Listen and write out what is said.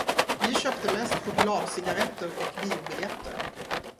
Vi köpte mest chokladcigaretter och biobiljetter.